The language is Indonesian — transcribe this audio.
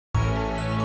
oh di sana